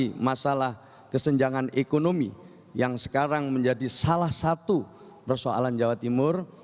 yang pertama mengatasi masalah kesenjangan ekonomi yang sekarang menjadi salah satu persoalan jawa timur